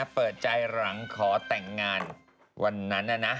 เปิดใจหลังขอแต่งงานวันนั้นนะ